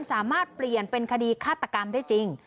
สามารถเปลี่ยนเป็นคดีฆาตกรรมได้จริง